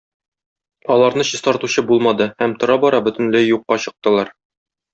Аларны чистартучы булмады һәм тора-бара бөтенләй юкка чыктылар.